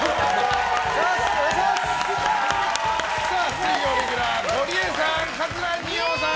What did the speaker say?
水曜レギュラー、ゴリエさん桂二葉さん。